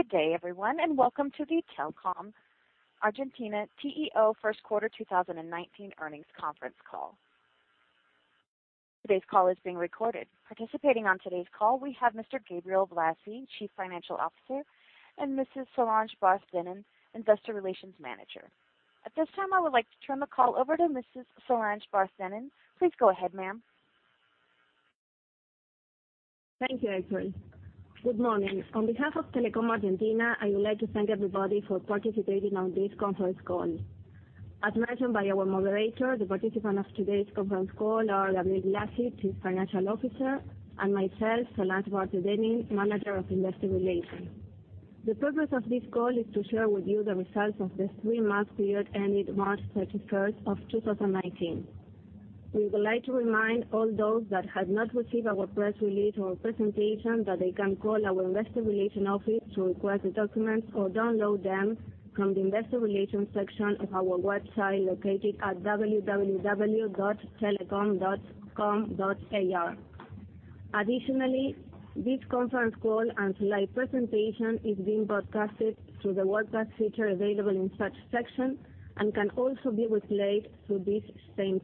Good day everyone, welcome to the Telecom Argentina TEO First Quarter 2019 Earnings Conference Call. Today's call is being recorded. Participating on today's call, we have Mr. Gabriel Blasi, Chief Financial Officer, and Mrs. Solange Barthe Dennin, Investor Relations Manager. At this time, I would like to turn the call over to Mrs. Solange Barthe Dennin. Please go ahead, ma'am. Thank you, April. Good morning. On behalf of Telecom Argentina, I would like to thank everybody for participating on this conference call. As mentioned by our moderator, the participant of today's conference call are Gabriel Blasi, Chief Financial Officer, and myself, Solange Barthe Dennin, Manager of Investor Relations. The purpose of this call is to share with you the results of the three-month period ended March 31st of 2019. We would like to remind all those that have not received our press release or presentation that they can call our Investor Relations office to request the documents or download them from the Investor Relations section of our website located at www.telecom.com.ar. Additionally, this conference call and slide presentation is being broadcasted through the webcast feature available in such section and can also be replayed through this same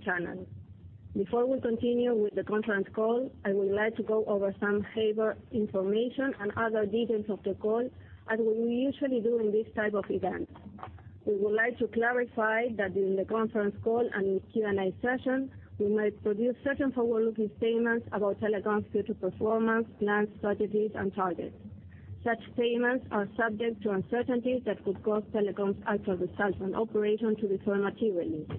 channel. Before we continue with the conference call, I would like to go over some labor information and other details of the call, as we usually do in this type of event. We would like to clarify that during the conference call and Q&A session, we might produce certain forward-looking statements about Telecom's future performance, plans, strategies, and targets. Such statements are subject to uncertainties that could cause Telecom's actual results and operation to differ materially. Such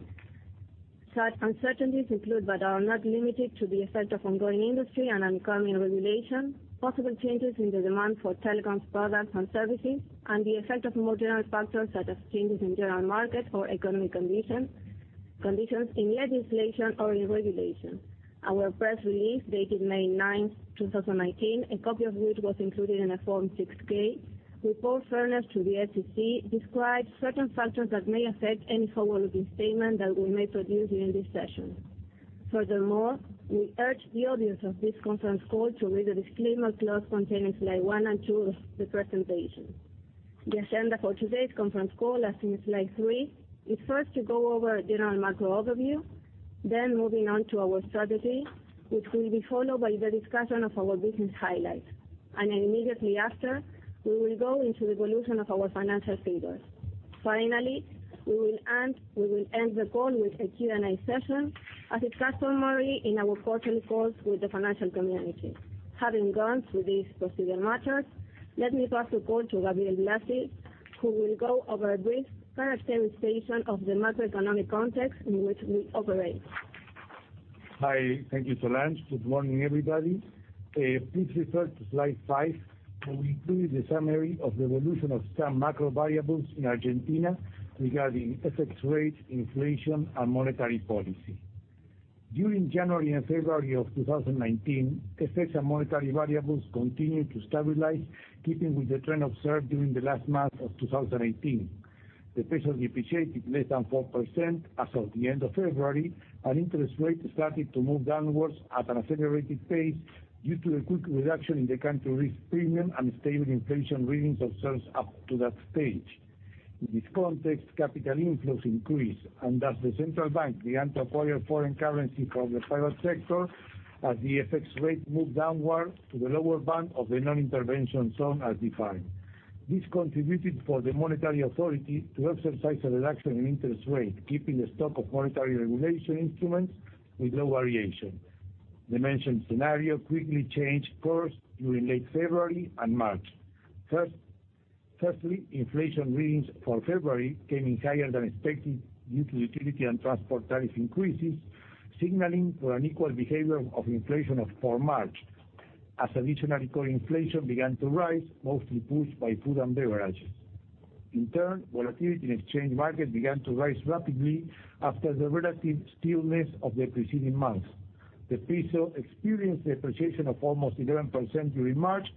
uncertainties include, but are not limited to, the effect of ongoing industry and economic regulation, possible changes in the demand for Telecom's products and services, and the effect of more general factors such as changes in general market or economic conditions in legislation or in regulation. Our press release dated May 9th, 2019, a copy of which was included in a Form 6-K report furnished to the SEC, describes certain factors that may affect any forward-looking statement that we may produce during this session. Furthermore, we urge the audience of this conference call to read the disclaimer clause contained in Slide one and two of the presentation. The agenda for today's conference call, as in Slide three, is first to go over a general macro overview, then moving on to our strategy, which will be followed by the discussion of our business highlights. Immediately after, we will go into the evolution of our financial figures. Finally, we will end the call with a Q&A session, as is customary in our quarterly calls with the financial community. Having gone through these procedure matters, let me pass the call to Gabriel Blasi, who will go over a brief characterization of the macroeconomic context in which we operate. Hi. Thank you, Solange. Good morning, everybody. Please refer to Slide 5, where we include the summary of the evolution of some macro variables in Argentina regarding FX rates, inflation, and monetary policy. During January and February of 2019, FX and monetary variables continued to stabilize, keeping with the trend observed during the last month of 2018. The peso depreciated less than 4% as of the end of February, and interest rates started to move downwards at an accelerated pace due to the quick reduction in the country risk premium and stable inflation readings observed up to that stage. In this context, capital inflows increased, thus the Central Bank began to acquire foreign currency from the private sector as the FX rate moved downwards to the lower band of the non-intervention zone as defined. This contributed for the monetary authority to exercise a reduction in interest rates, keeping the stock of monetary regulation instruments with low variation. The mentioned scenario quickly changed course during late February and March. Firstly, inflation readings for February came in higher than expected due to utility and transport tariff increases, signaling for unequal behavior of inflation of 4 March. Additional core inflation began to rise, mostly pushed by food and beverages. In turn, volatility in exchange markets began to rise rapidly after the relative stillness of the preceding months. The peso experienced depreciation of almost 11% during March,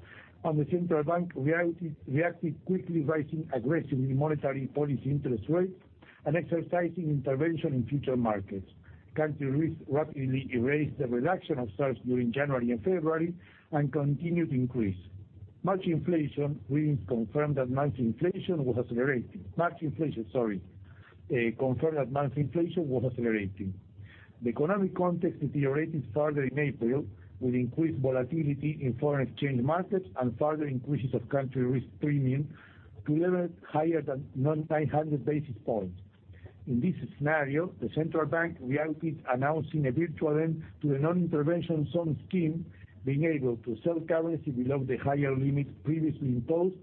the Central Bank reacted quickly, raising aggressively monetary policy interest rates and exercising intervention in future markets. Country risk rapidly erased the reduction observed during January and February and continued to increase. March inflation readings confirmed that March inflation was accelerating. The economic context deteriorated further in April, with increased volatility in foreign exchange markets and further increases of country risk premium to a level higher than 900 basis points. In this scenario, the Central Bank reacted, announcing a virtual end to the non-intervention zone scheme, being able to sell currency below the higher limits previously imposed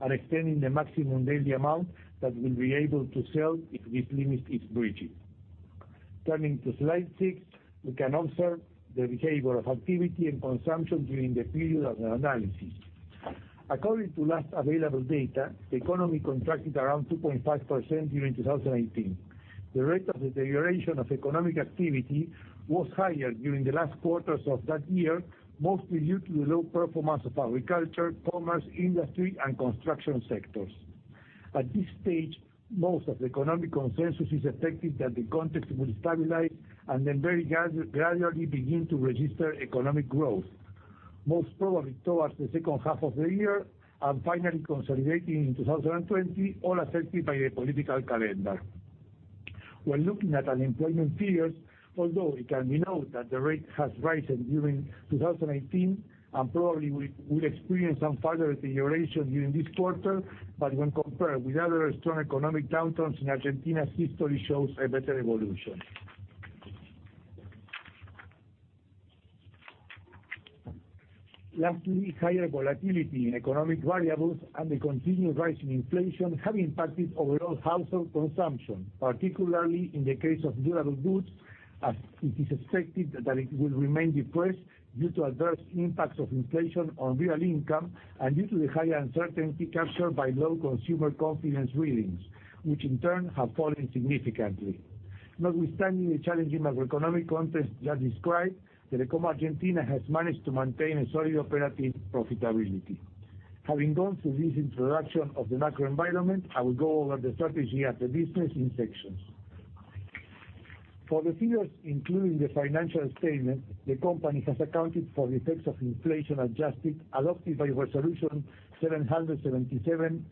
and extending the maximum daily amount that will be able to sell if this limit is breached. Turning to Slide 6, we can observe the behavior of activity and consumption during the period under analysis. According to last available data, the economy contracted around 2.5% during 2018. The rate of deterioration of economic activity was higher during the last quarters of that year, mostly due to the low performance of agriculture, commerce, industry, and construction sectors. At this stage, most of the economic consensus is expecting that the context will stabilize and then very gradually begin to register economic growth, most probably towards the second half of the year, and finally consolidating in 2020, all affected by the political calendar. When looking at unemployment figures, although it can be noted that the rate has risen during 2018, and probably we will experience some further deterioration during this quarter, when compared with other strong economic downturns in Argentina, history shows a better evolution. Lastly, higher volatility in economic variables and the continued rise in inflation have impacted overall household consumption, particularly in the case of durable goods, as it is expected that it will remain depressed due to adverse impacts of inflation on real income and due to the higher uncertainty captured by low consumer confidence readings, which in turn have fallen significantly. Notwithstanding the challenging macroeconomic context just described, Telecom Argentina has managed to maintain a solid operating profitability. Having gone through this introduction of the macro environment, I will go over the strategy of the business in sections. For the figures, including the financial statement, the company has accounted for the effects of inflation adjusted adopted by Resolution 777/18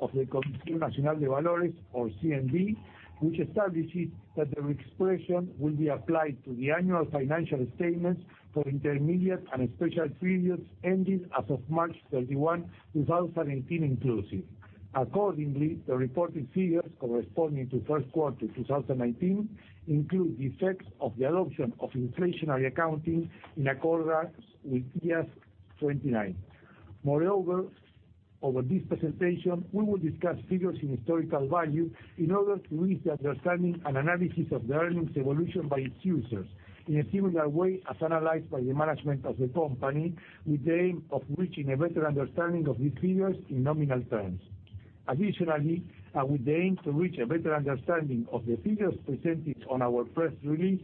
of the Comisión Nacional de Valores, or CNV, which establishes that the reexpression will be applied to the annual financial statements for intermediate and special periods ending as of March 31, 2018 inclusive. Accordingly, the reported figures corresponding to first quarter 2019 include the effects of the adoption of inflationary accounting in accordance with IAS 29. Over this presentation, we will discuss figures in historical value in order to reach the understanding and analysis of the earnings evolution by its users, in a similar way as analyzed by the management of the company, with the aim of reaching a better understanding of these figures in nominal terms. With the aim to reach a better understanding of the figures presented on our press release,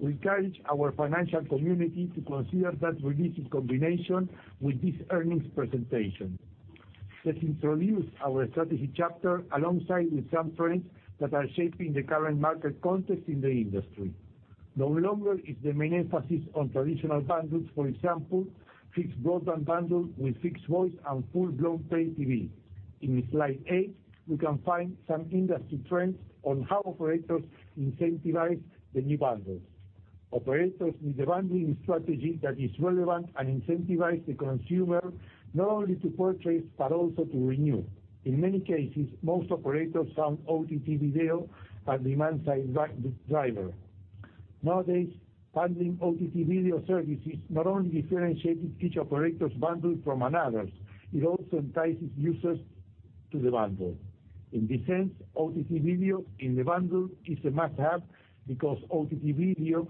we encourage our financial community to consider that release in combination with this earnings presentation. Let's introduce our strategy chapter alongside with some trends that are shaping the current market context in the industry. No longer is the main emphasis on traditional bundles, for example, fixed broadband bundle with fixed voice and full-blown pay TV. In slide 8, we can find some industry trends on how operators incentivize the new bundles. Operators need a bundling strategy that is relevant and incentivize the consumer not only to purchase but also to renew. In many cases, most operators found OTT video a demand-side driver. Nowadays, bundling OTT video services not only differentiates each operator's bundle from another's, it also entices users to the bundle. In this sense, OTT video in the bundle is a must-have because OTT video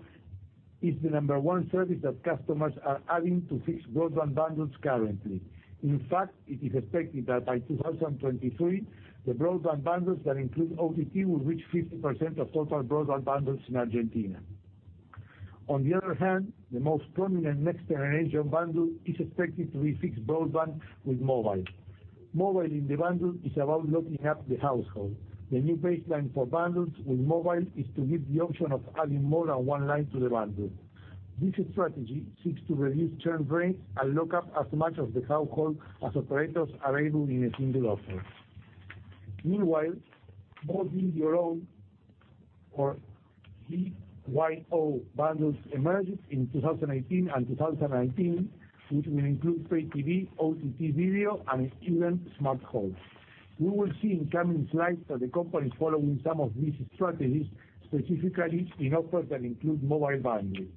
is the number one service that customers are adding to fixed broadband bundles currently. In fact, it is expected that by 2023, the broadband bundles that include OTT will reach 50% of total broadband bundles in Argentina. On the other hand, the most prominent next generation bundle is expected to be fixed broadband with mobile. Mobile in the bundle is about locking up the household. The new baseline for bundles with mobile is to give the option of adding more than one line to the bundle. This strategy seeks to reduce churn rates and lock up as much of the household as operators are able in a single offer. Meanwhile, both video alone or VYO bundles emerged in 2018 and 2019, which may include pay TV, OTT video, and even smart home. We will see in coming slides that the company is following some of these strategies, specifically in offers that include mobile bundling.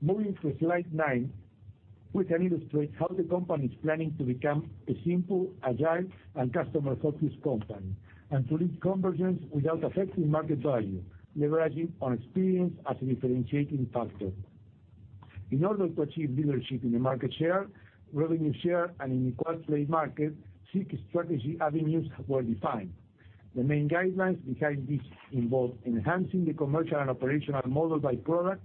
Moving to slide 9, we can illustrate how the company is planning to become a simple, agile, and customer-focused company and to lead convergence without affecting market value, leveraging on experience as a differentiating factor. In order to achieve leadership in the market share, revenue share, and in the quad play market, six strategy avenues were defined. The main guidelines behind this involve enhancing the commercial and operational model by product,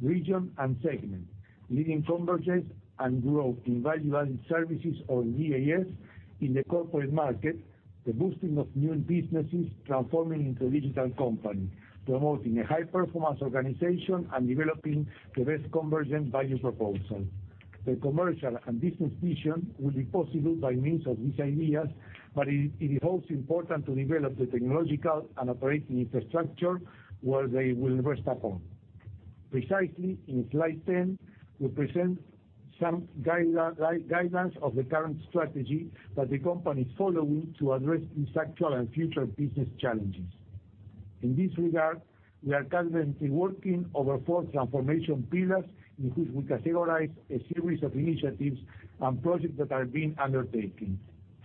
region, and segment, leading convergence and growth in value-added services, or VAS, in the corporate market, the boosting of new businesses transforming into a digital company, promoting a high-performance organization, and developing the best convergent value proposal. The commercial and business vision will be possible by means of these ideas, but it is also important to develop the technological and operating infrastructure where they will rest upon. Precisely, in slide 10, we present some guidance of the current strategy that the company is following to address these actual and future business challenges. In this regard, we are currently working over four transformation pillars in which we categorize a series of initiatives and projects that are being undertaken.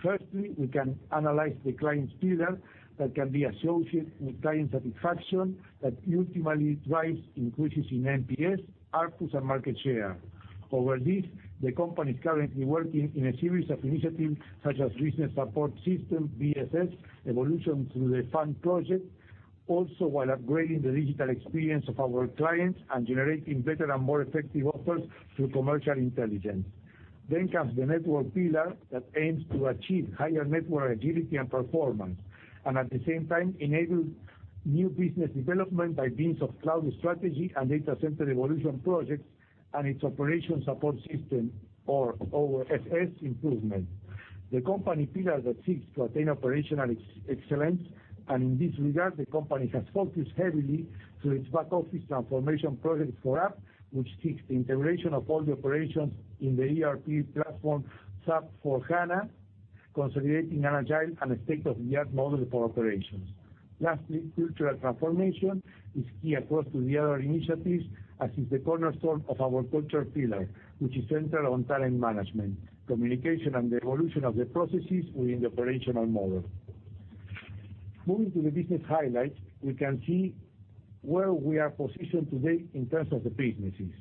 Firstly, we can analyze the clients pillar that can be associated with client satisfaction that ultimately drives increases in NPS, ARPU, and market share. Over this, the company is currently working in a series of initiatives such as business support system, BSS, evolution through the FUN project, also while upgrading the digital experience of our clients and generating better and more effective offers through commercial intelligence. Comes the network pillar that aims to achieve higher network agility and performance, and at the same time enable new business development by means of cloud strategy and data center evolution projects and its operation support system or OSS improvement. The company pillar that seeks to attain operational excellence, and in this regard, the company has focused heavily to its back-office transformation project 4UP, which seeks the integration of all the operations in the ERP platform, SAP S/4HANA, consolidating an agile and a state-of-the-art model for operations. Lastly, cultural transformation is key across to the other initiatives, as is the cornerstone of our culture pillar, which is centered on talent management, communication, and the evolution of the processes within the operational model. Moving to the business highlights, we can see where we are positioned today in terms of the businesses.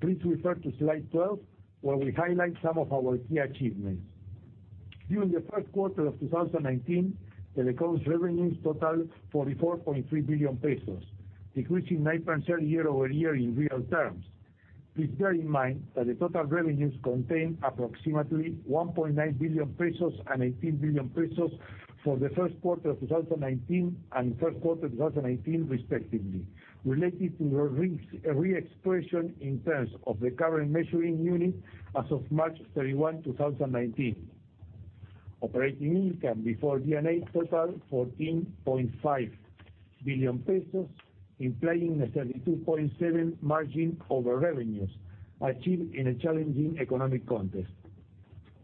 Please refer to slide 12, where we highlight some of our key achievements. During the first quarter of 2019, Telecom's revenues totaled 44.3 billion pesos, decreasing 9% year-over-year in real terms. Please bear in mind that the total revenues contain approximately 1.9 billion pesos and 18 billion pesos for the first quarter of 2019 and first quarter 2018 respectively, related to the reexpression in terms of the current measuring unit as of March 31, 2019. Operating income before D&A totaled 14.5 billion pesos, implying a 32.7% margin over revenues achieved in a challenging economic context.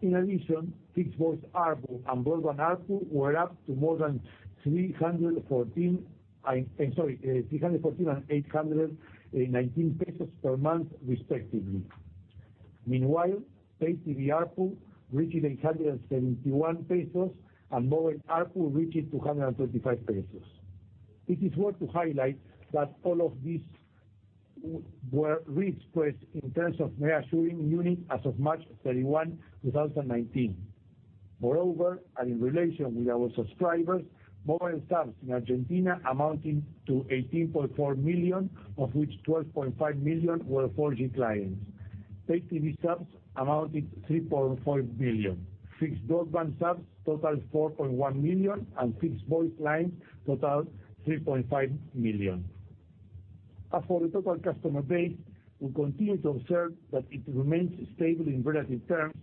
In addition, fixed voice ARPU and broadband ARPU were up to more than 314 and 819 pesos per month, respectively. Meanwhile, Pay TV ARPU reached 871 pesos, and mobile ARPU reached 235 pesos. It is worth to highlight that all of these were reexpressed in terms of measuring unit as of March 31, 2019. Moreover, in relation with our subscribers, mobile subs in Argentina amounting to 18.4 million, of which 12.5 million were 4G clients. Pay TV subs amounted 3.4 million. Fixed broadband subs totaled 4.1 million, and fixed voice lines totaled 3.5 million. As for the total customer base, we continue to observe that it remains stable in relative terms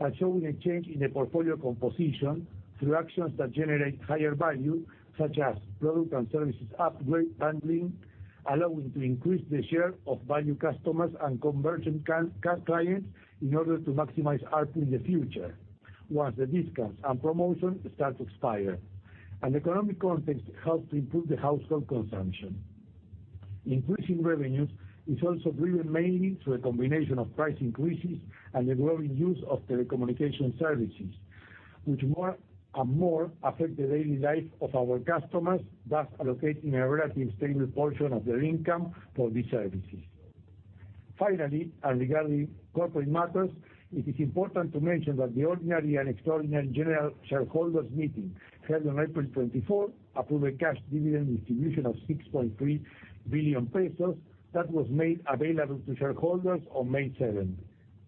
and showing a change in the portfolio composition through actions that generate higher value, such as product and services upgrade bundling, allowing to increase the share of value customers and conversion clients in order to maximize ARPU in the future once the discounts and promotion start to expire, and economic context helps to improve the household consumption. Increasing revenues is also driven mainly through a combination of price increases and the growing use of telecommunication services, which more and more affect the daily life of our customers, thus allocating a relative stable portion of their income for these services. Finally, regarding corporate matters, it is important to mention that the ordinary and extraordinary general shareholders meeting, held on April 24, approved a cash dividend distribution of 6.3 billion pesos that was made available to shareholders on May 7.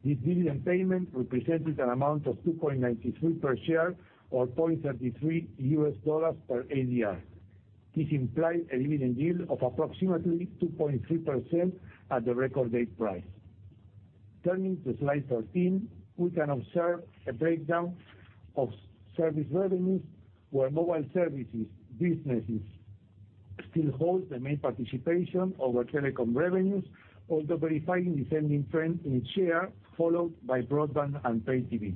This dividend payment represented an amount of 2.93 per share or $0.33 per ADR. This implies a dividend yield of approximately 2.3% at the record date price. Turning to slide 13, we can observe a breakdown of service revenues, where mobile services businesses still hold the main participation over Telecom revenues, although verifying descending trend in share, followed by broadband and Pay TV.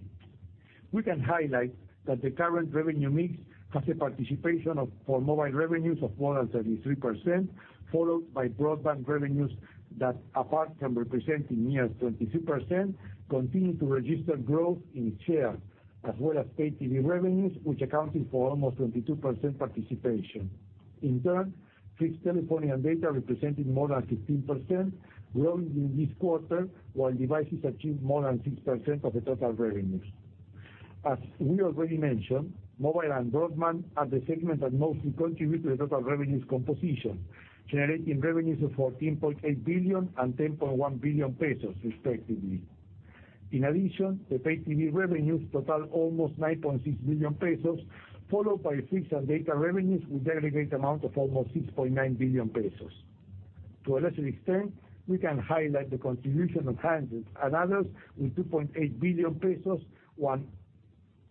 We can highlight that the current revenue mix has a participation for mobile revenues of more than 33%, followed by broadband revenues that, apart from representing near 22%, continue to register growth in share, as well as Pay TV revenues, which accounted for almost 22% participation. In turn, fixed telephony and data represented more than 15%, growing in this quarter, while devices achieved more than 6% of the total revenues. As we already mentioned, mobile and broadband are the segments that mostly contribute to the total revenues composition, generating revenues of 14.8 billion and 10.1 billion pesos, respectively. In addition, the Pay TV revenues totaled almost 9.6 billion pesos, followed by fixed and data revenues with aggregate amount of almost 6.9 billion pesos. To a lesser extent, we can highlight the contribution of handhelds and others with 2.8 billion pesos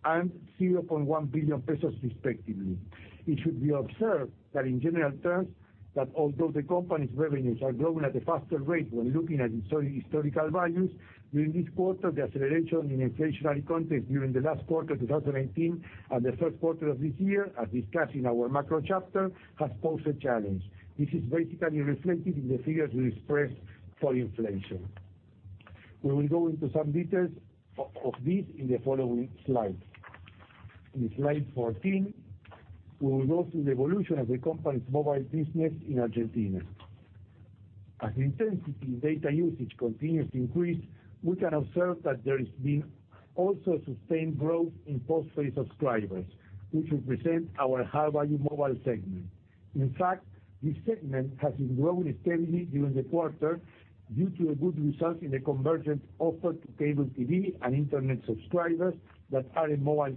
and 0.1 billion pesos, respectively. It should be observed that in general terms, that although the company's revenues are growing at a faster rate when looking at its historical values, during this quarter, the acceleration in inflationary context during the last quarter of 2018 and the first quarter of this year, as discussed in our macro chapter, has posed a challenge. This is basically reflected in the figures we expressed for inflation. We will go into some details of this in the following slide. In slide 14, we will go through the evolution of the company's mobile business in Argentina. As intensity data usage continues to increase, we can observe that there has been also sustained growth in postpaid subscribers, which represent our high-value mobile segment. In fact, this segment has been growing steadily during the quarter due to the good results in the convergent offer to cable TV and internet subscribers that are mobile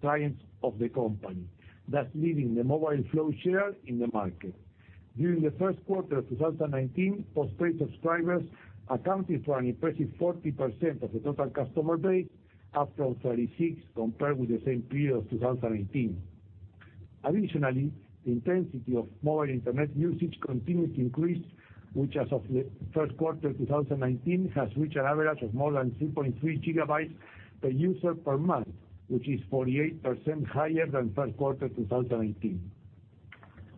clients of the company, thus leading the mobile Flow share in the market. During the first quarter of 2019, postpaid subscribers accounted for an impressive 40% of the total customer base, up from 36% compared with the same period of 2018. Additionally, the intensity of mobile internet usage continues to increase, which as of the first quarter 2019, has reached an average of more than 3.3 GB per user per month, which is 48% higher than first quarter 2018.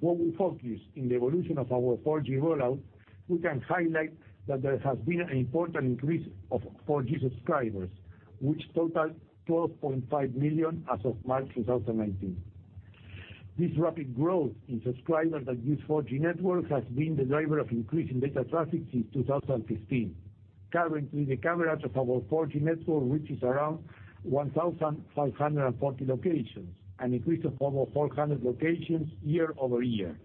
When we focus on the evolution of our 4G rollout, we can highlight that there has been an important increase of 4G subscribers, which totaled 12.5 million as of March 2019. This rapid growth in subscribers that use 4G networks has been the driver of increase in data traffic since 2015. Currently, the coverage of our 4G network reaches around 1,540 locations, an increase of over 400 locations year-over-year.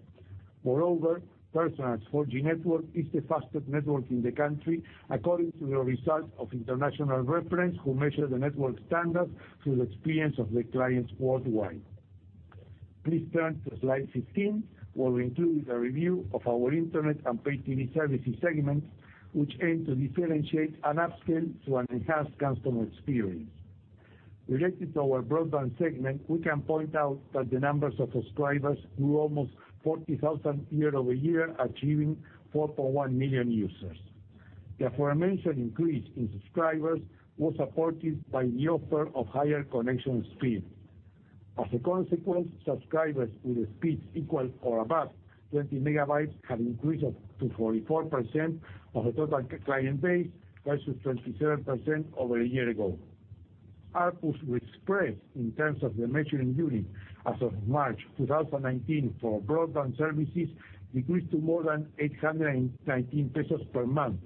Moreover, Personal's 4G network is the fastest network in the country, according to the results of international reference who measure the network standard through the experience of the clients worldwide. Please turn to slide 15, where we include the review of our internet and pay TV services segments, which aim to differentiate and upscale to an enhanced customer experience. Related to our broadband segment, we can point out that the numbers of subscribers grew almost 40,000 year-over-year, achieving 4.1 million users. The aforementioned increase in subscribers was supported by the offer of higher connection speed. As a consequence, subscribers with speeds equal or above 20 MB have increased to 44% of the total client base versus 27% over a year ago. ARPU expressed in terms of the measuring unit as of March 2019 for broadband services decreased to more than 819 pesos per month.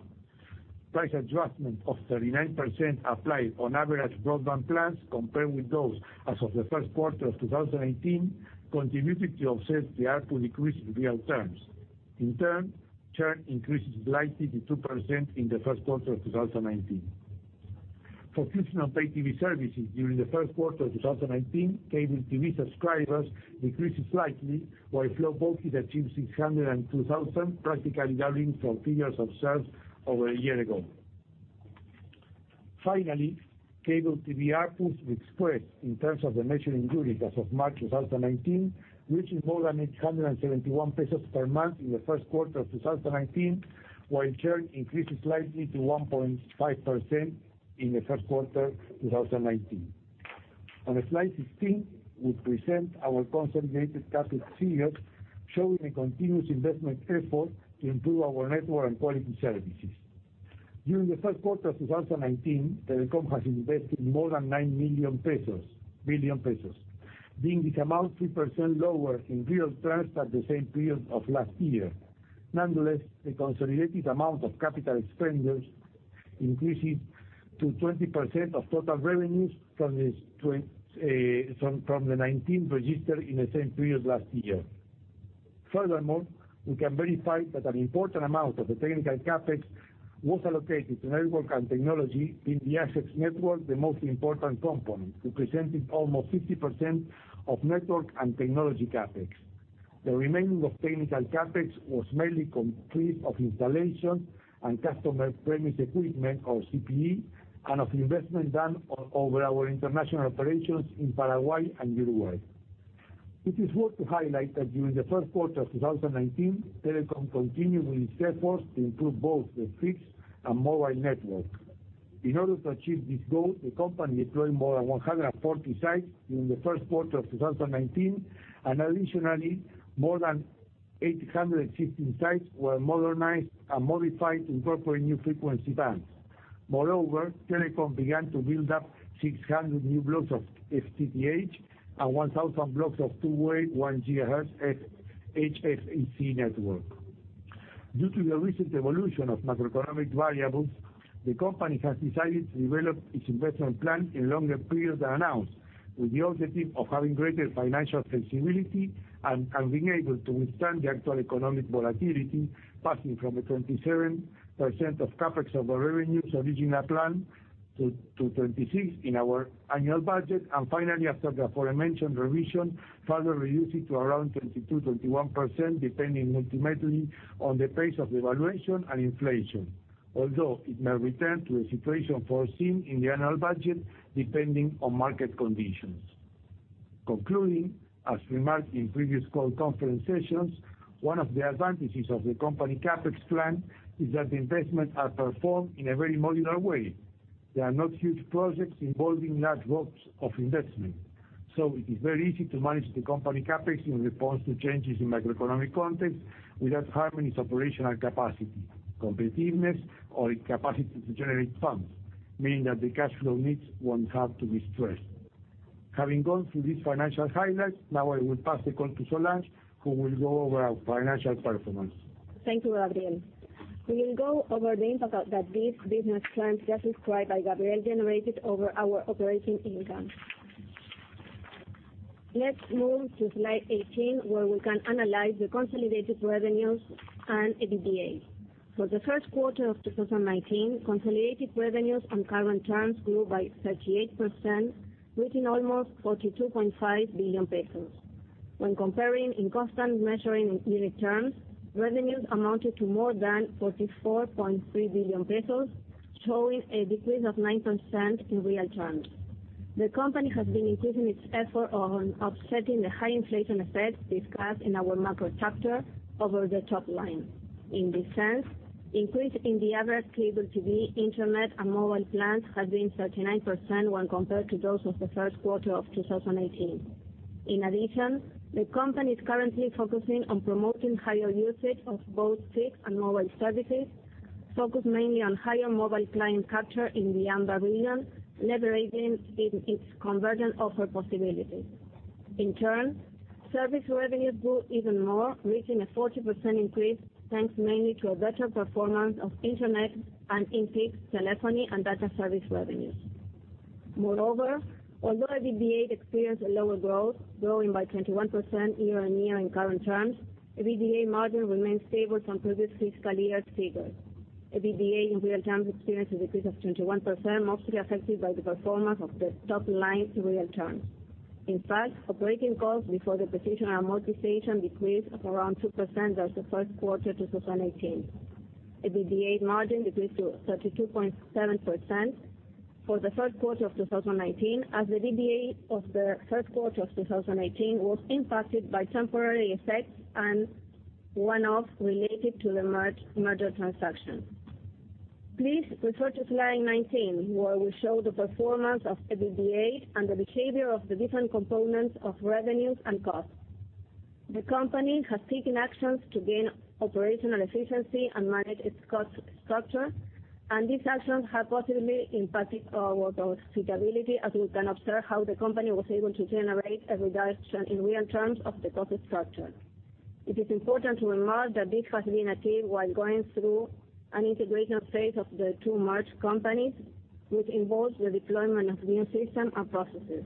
Price adjustment of 39% applied on average broadband plans compared with those as of the first quarter of 2018, contributed to offset the ARPU decrease in real terms. In turn, churn increased slightly to 2% in the first quarter of 2019. For fixed and pay TV services during the first quarter of 2019, cable TV subscribers decreased slightly, while Flow TV achieved 602,000, practically doubling from figures observed over a year ago. Finally, cable TV ARPU expressed in terms of the measuring unit as of March 2019, reached more than 871 pesos per month in the first quarter of 2019, while churn increased slightly to 1.5% in the first quarter 2019. On slide 16, we present our consolidated CapEx, showing a continuous investment effort to improve our network and quality services. During the first quarter of 2019, Telecom has invested more than 9 billion pesos, being this amount 3% lower in real terms at the same period of last year. Nonetheless, the consolidated amount of capital expenditures increased to 20% of total revenues from the 19% registered in the same period last year. Furthermore, we can verify that an important amount of the technical CapEx was allocated to network and technology, being the access network the most important component, representing almost 50% of network and technology CapEx. The remaining of technical CapEx was mainly comprised of installation and customer premise equipment or CPE, and of investment done over our international operations in Paraguay and Uruguay. It is worth to highlight that during the first quarter of 2019, Telecom continued with its efforts to improve both the fixed and mobile network. In order to achieve this goal, the company deployed more than 140 sites during the first quarter of 2019, and additionally, more than 816 sites were modernized and modified to incorporate new frequency bands. Moreover, Telecom began to build up 600 new blocks of FTTH and 1,000 blocks of 281 GHz HFC network. Due to the recent evolution of macroeconomic variables, the company has decided to develop its investment plan in longer periods than announced, with the objective of having greater financial flexibility and being able to withstand the actual economic volatility, passing from the 27% of CapEx over revenues original plan, to 26% in our annual budget, and finally, after the aforementioned revision, further reduce it to around 22%-21%, depending ultimately on the pace of devaluation and inflation. It may return to the situation foreseen in the annual budget, depending on market conditions. As remarked in previous call conference sessions, one of the advantages of the company CapEx plan is that the investments are performed in a very modular way. They are not huge projects involving large blocks of investment. It is very easy to manage the company CapEx in response to changes in macroeconomic context without harming its operational capacity, competitiveness, or its capacity to generate funds, meaning that the cash flow needs won't have to be stressed. Having gone through these financial highlights, now I will pass the call to Solange, who will go over our financial performance. Thank you, Gabriel. We will go over the impact that these business trends just described by Gabriel generated over our operating income. Let's move to slide 18, where we can analyze the consolidated revenues and EBITDA. For the first quarter of 2019, consolidated revenues and current terms grew by 38%, reaching almost 42.5 billion pesos. When comparing in constant measuring unit terms, revenues amounted to more than 44.3 billion pesos, showing a decrease of 9% in real terms. The company has been increasing its effort on offsetting the high inflation effects discussed in our macro chapter over the top line. In this sense, increase in the average cable TV, internet, and mobile plans has been 39% when compared to those of the first quarter of 2018. The company is currently focusing on promoting higher usage of both fixed and mobile services, focused mainly on higher mobile client capture in the AMBA region, leveraging its convergent offer possibilities. In turn, service revenues grew even more, reaching a 40% increase, thanks mainly to a better performance of internet and in-fixed telephony and data service revenues. Moreover, although EBITDA experienced a lower growth, growing by 21% year-on-year in current terms, EBITDA margin remained stable from previous fiscal year figures. EBITDA in real terms experienced a decrease of 21%, mostly affected by the performance of the top line's real terms. In fact, operating costs before depreciation and amortization decreased around 2% than the first quarter 2018. EBITDA margin decreased to 32.7% for the first quarter of 2019 as the EBITDA of the first quarter of 2018 was impacted by temporary effects and one-off related to the merger transaction. Please refer to slide 19, where we show the performance of EBITDA and the behavior of the different components of revenues and costs. The company has taken actions to gain operational efficiency and manage its cost structure, these actions have positively impacted our suitability, as we can observe how the company was able to generate a reduction in real terms of the cost structure. It is important to remark that this has been achieved while going through an integration phase of the two merged companies, which involves the deployment of new systems and processes.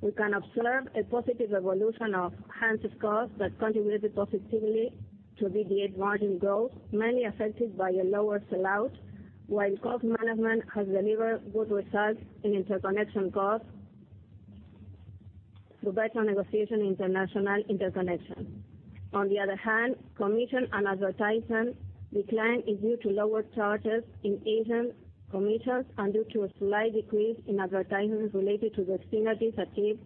We can observe a positive evolution of transit costs that contributed positively to EBITDA margin growth, mainly affected by a lower sellout, while cost management has delivered good results in interconnection costs through better negotiation international interconnection. Commission and advertisement decline is due to lower charges in agent commissions and due to a slight decrease in advertisements related to the synergies achieved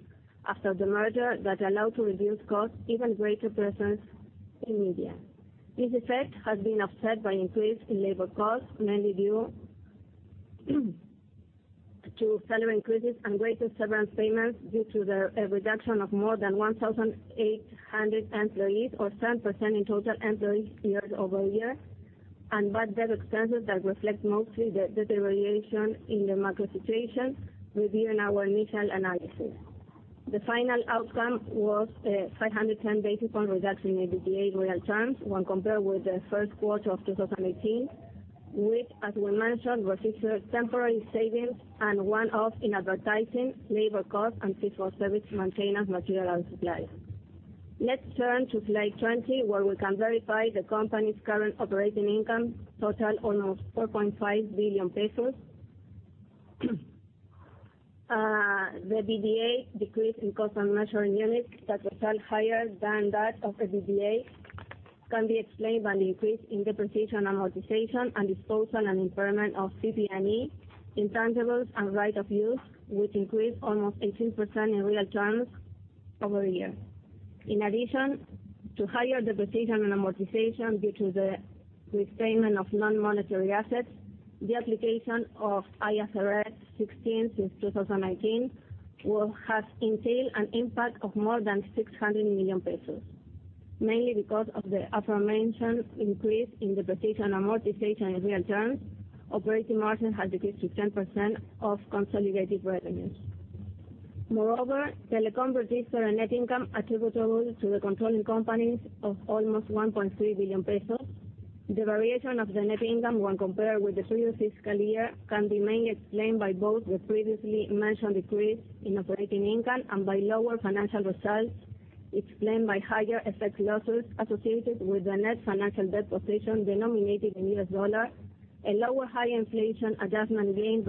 after the merger that allow to reduce costs, even greater presence in media. This effect has been offset by increase in labor costs, mainly due to salary increases and greater severance payments due to the reduction of more than 1,800 employees or 7% in total employees year-over-year, and bad debt expenses that reflect mostly the deterioration in the macro situation reviewed in our initial analysis. The final outcome was a 510 basis point reduction in EBITDA in real terms when compared with the first quarter of 2018, which, as we mentioned, registered temporary savings and one-off in advertising, labor cost, and fixed for service maintenance material and supplies. Turn to slide 20, where we can verify the company's current operating income total of ARS 4.5 billion. The EBITDA decrease in constant measuring unit that was higher than that of EBITDA can be explained by the increase in depreciation amortization, and disposal and impairment of PP&E, intangibles, and right of use, which increased almost 18% in real terms over a year. In addition, to higher depreciation and amortization due to the repayment of non-monetary assets, the application of IFRS 16 since 2018 has entailed an impact of more than 600 million pesos. Mainly because of the aforementioned increase in depreciation amortization in real terms, operating margin has decreased to 10% of consolidated revenues. Moreover, Telecom registered a net income attributable to the controlling companies of almost 1.3 billion pesos. The variation of the net income when compared with the previous fiscal year can be mainly explained by both the previously mentioned decrease in operating income and by lower financial results explained by higher effect losses associated with the net financial debt position denominated in USD, a lower high inflation adjustment gain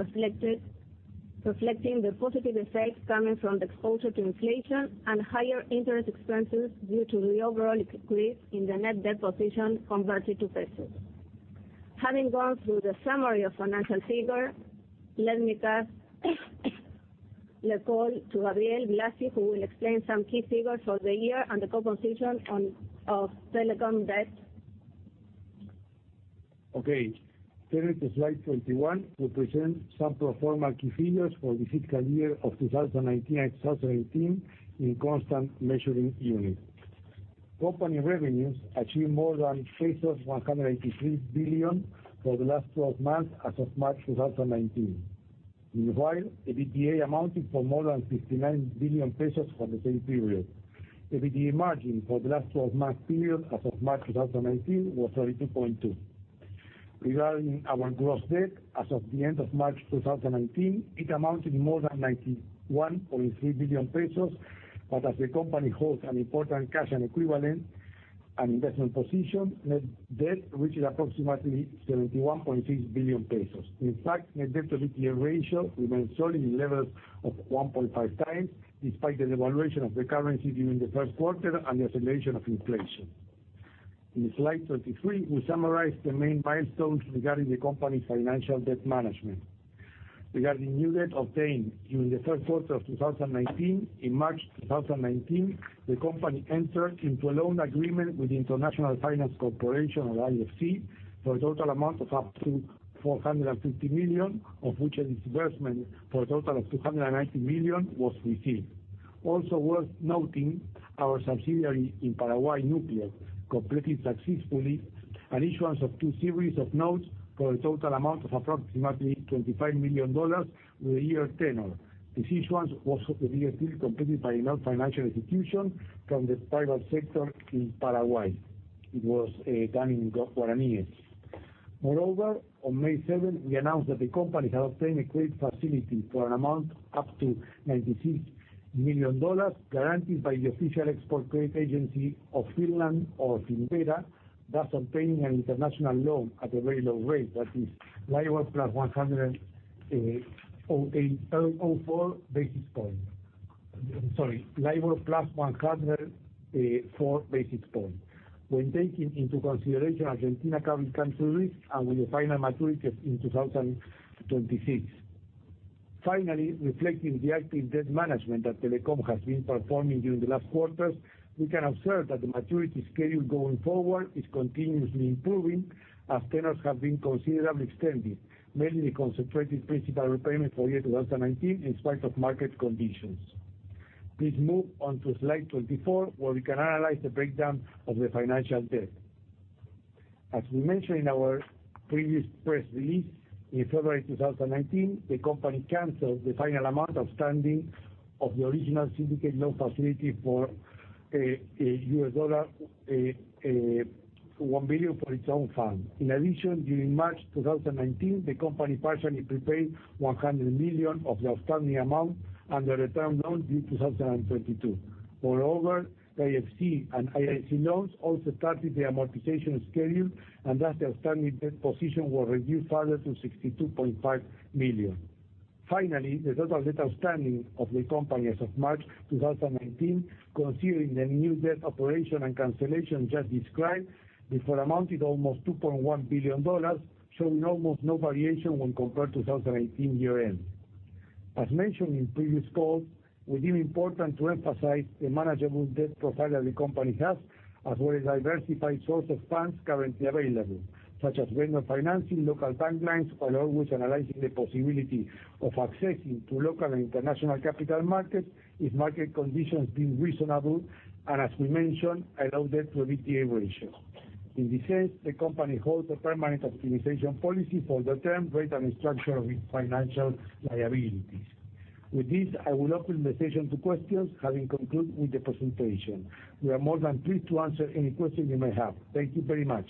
reflecting the positive effects coming from the exposure to inflation, and higher interest expenses due to the overall increase in the net debt position converted to ARS. Having gone through the summary of financial figures, let me pass the call to Gabriel Blasi, who will explain some key figures for the year and the composition of Telecom debt. Turn to slide 21. We present some pro forma key figures for the fiscal year of 2019 and 2018 in constant measuring unit. Company revenues achieved more than 3,183 billion for the last 12 months as of March 2019. Meanwhile, EBITDA amounted for more than 69 billion pesos for the same period. EBITDA margin for the last 12 month period as of March 2019 was 32.2%. Regarding our gross debt, as of the end of March 2019, it amounted to more than 91.3 billion pesos, but as the company holds an important cash equivalent and investment position, net debt reaches approximately 71.6 billion pesos. In fact, net debt to EBITDA ratio remains solid in levels of 1.5 times, despite the devaluation of the currency during the first quarter and the acceleration of inflation. In slide 23, we summarize the main milestones regarding the company's financial debt management. Regarding new debt obtained during the first quarter of 2019, in March 2019, the company entered into a loan agreement with the International Finance Corporation, or IFC, for a total amount of up to $450 million, of which a disbursement for a total of $290 million was received. Also worth noting, our subsidiary in Paraguay, Núcleo, completed successfully an issuance of two series of notes for a total amount of approximately $25 million with a year tenor. This issuance was the biggest deal completed by a non-financial institution from the private sector in Paraguay. It was done in guaraní. Moreover, on May 7, we announced that the company had obtained a credit facility for an amount up to $96 million, guaranteed by the official export credit agency of Finland or Finnvera, thus obtaining an international loan at a very low rate. That is LIBOR plus 104 basis points. When taking into consideration Argentina country risk and with the final maturity in 2026. Finally, reflecting the active debt management that Telecom has been performing during the last quarters, we can observe that the maturity schedule going forward is continuously improving as tenors have been considerably extended, mainly concentrated principal repayment for year 2019, in spite of market conditions. Please move on to slide 24, where we can analyze the breakdown of the financial debt. As we mentioned in our previous press release, in February 2019, the company canceled the final amount outstanding of the original syndicate loan facility for $1 billion for its own fund. In addition, during March 2019, the company partially prepaid $100 million of the outstanding amount under the term loan due 2022. Moreover, the IFC and IIC loans also started the amortization schedule, and thus the outstanding debt position was reduced further to $62.5 million. Finally, the total debt outstanding of the company as of March 2019, considering the new debt operation and cancellation just described, this would amounted almost $2.1 billion, showing almost no variation when compared to 2018 year-end. As mentioned in previous calls, we deem important to emphasize the manageable debt profile the company has, as well as diversified source of funds currently available, such as vendor financing local bank lines, while always analyzing the possibility of accessing to local and international capital markets if market conditions deem reasonable and, as we mentioned, allow debt to EBITDA ratio. In this sense, the company holds a permanent optimization policy for the term, rate, and instruction of its financial liabilities. With this, I will open the session to questions, having concluded with the presentation. We are more than pleased to answer any questions you may have. Thank you very much.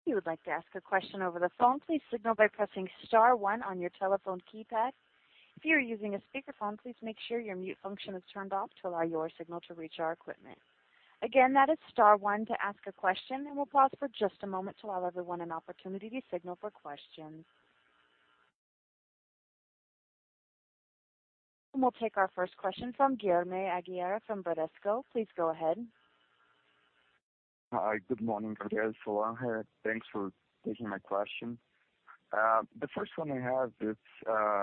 If you would like to ask a question over the phone, please signal by pressing star one on your telephone keypad. If you are using a speakerphone, please make sure your mute function is turned off to allow your signal to reach our equipment. Again, that is star one to ask a question, we'll pause for just a moment to allow everyone an opportunity to signal for questions. We'll take our first question from Guilherme Aguirre from Bradesco. Please go ahead. Hi, good morning. Guilherme Aguirre. Thanks for taking my question. The first one I have is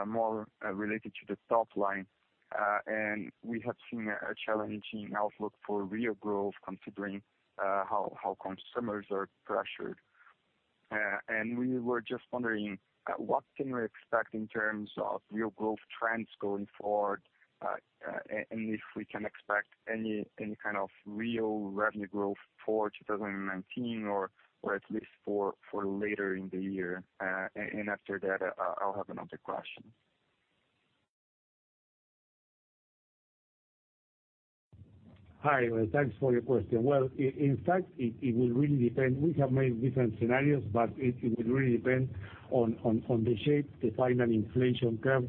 more related to the top line. We have seen a challenging outlook for real growth considering how consumers are pressured. We were just wondering, what can we expect in terms of real growth trends going forward? If we can expect any kind of real revenue growth for 2019 or at least for later in the year? After that, I'll have another question. Hi. Thanks for your question. In fact, it will really depend. We have made different scenarios, but it will really depend on the shape the final inflation curve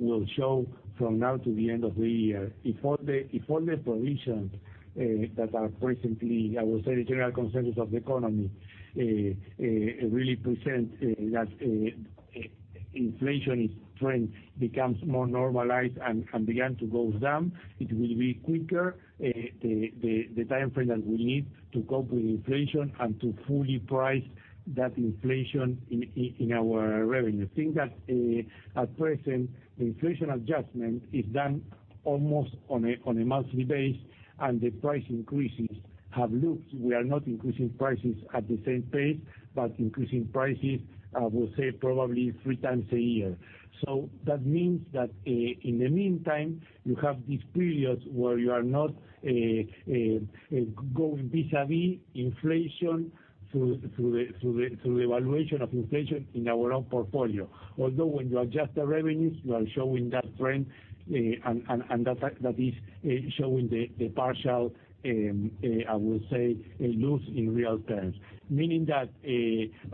will show from now to the end of the year. If all the provisions that are presently, I would say the general consensus of the economy really present that inflation trend becomes more normalized and can begin to go down. It will be quicker, the time frame that we need to cope with inflation and to fully price that inflation in our revenue. I think that at present, the inflation adjustment is done almost on a monthly basis, and the price increases have loops. We are not increasing prices at the same pace, but increasing prices, I will say probably three times a year. That means that in the meantime, you have these periods where you are not going vis-à-vis inflation through the valuation of inflation in our own portfolio. Although when you adjust the revenues, you are showing that trend, and that is showing the partial, I would say, loss in real terms. Meaning that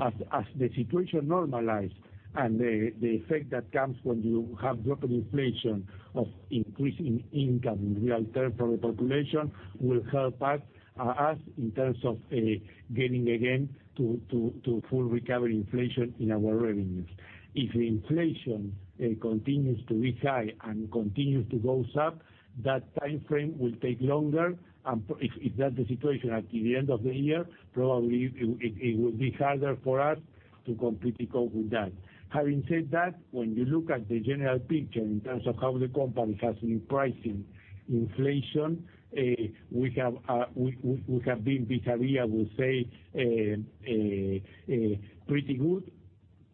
as the situation normalize and the effect that comes when you have drop in inflation of increase in income in real terms from the population will help us in terms of getting again to full recovery inflation in our revenues. If inflation continues to be high and continues to go up, that timeframe will take longer, and if that's the situation at the end of the year, probably it will be harder for us to completely cope with that. Having said that, when you look at the general picture in terms of how the company has been pricing inflation, we have been vis-à-vis, I would say, pretty good,